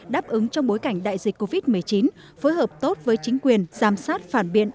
đáp ứng trong bối cảnh đại dịch covid một mươi chín phối hợp tốt với chính quyền giám sát phản biện